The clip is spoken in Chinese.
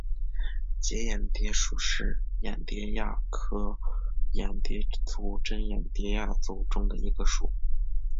结眼蝶属是眼蝶亚科眼蝶族珍眼蝶亚族中的一个属。